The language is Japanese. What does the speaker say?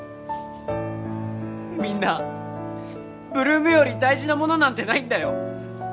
みんな８ＬＯＯＭより大事なものなんてないんだよ